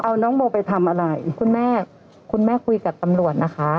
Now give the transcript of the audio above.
เอาน้องโมไปทำอะไรคุณแม่คุณแม่คุยกับตำรวจนะคะ